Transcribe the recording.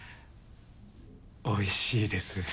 おいしいです。